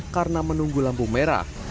karena menunggu lambung merah